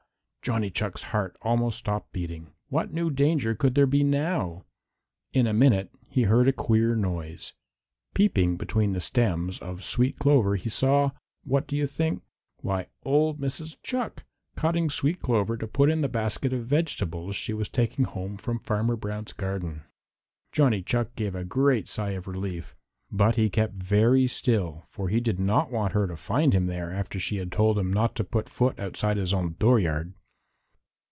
Johnny Chuck's heart almost stopped beating. What new danger could there be now? In a minute he heard a queer noise. Peeping between the stems of sweet clover he saw what do you think? Why, old Mrs. Chuck cutting sweet clover to put in the basket of vegetables she was taking home from Farmer Brown's garden. Johnny Chuck gave a great sigh of relief, but he kept very still for he did not want her to find him there after she had told him not to put foot outside his own dooryard.